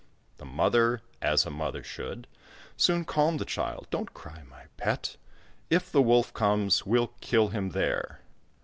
The Mother, as a mother should, Soon calmed the Child. "Don't cry, my pet! If the Wolf comes, we'll kill him, there!"